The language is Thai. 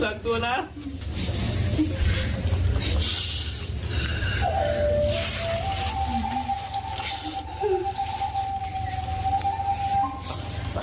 กักตัวนะ